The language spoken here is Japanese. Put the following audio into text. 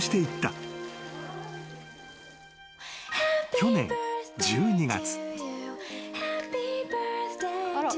［去年１２月］